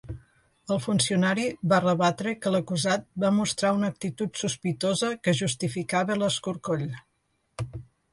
El funcionari va rebatre que l'acusat va mostrar una actitud sospitosa que justificava l'escorcoll.